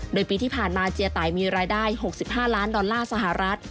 โดยปีที่ผ่านมาเจียไตมีรายได้๖๕ล้านดอลลาร์สหรัฐ